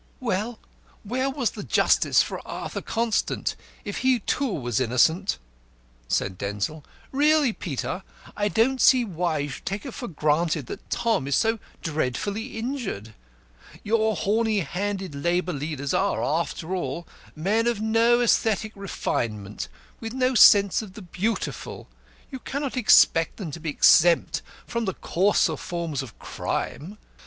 "Well, where was the justice for Arthur Constant if he, too, was innocent?" said Denzil. "Really, Peter, I don't see why you should take it for granted that Tom is so dreadfully injured. Your horny handed labour leaders are, after all, men of no aesthetic refinement, with no sense of the Beautiful; you cannot expect them to be exempt from the coarser forms of crime.